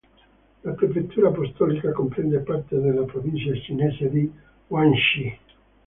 La prefettura apostolica comprende parte della provincia cinese di Guangxi.